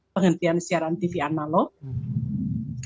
penghentian siaran tv analog